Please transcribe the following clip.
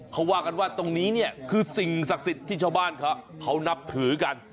เขาว่ากันว่าตรงนี้เนี่ยคือสิ่งศักดิ์สิทธิ์ที่ชาวบ้านเขานับถือกัน